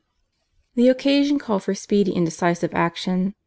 The occasion called for speedy and decisive action.